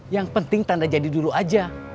yang penting tanda jadi dulu aja